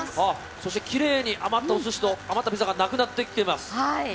そしてきれいに余ったピザと余ったお寿司がなくなってきています。